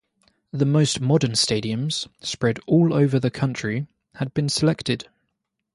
The most modern stadiums - spread all over the country - had been selected.